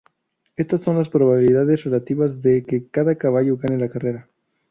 Estas son las probabilidades relativas de que cada caballo gane la carrera.